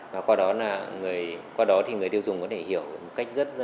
và qua đó người tiêu dùng có thể hiểu một cách rất là đúng